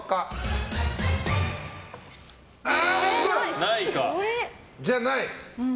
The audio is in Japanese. ×！じゃない？